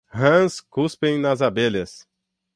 Rãs cuspem nas abelhas.